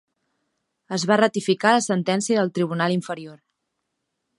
Es va ratificar la sentència del tribunal inferior.